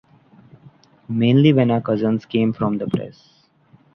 Mainly, when our cousins came from the press.